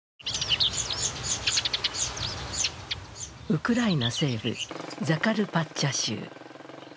ウクライナ西部ザカルパッチャ州。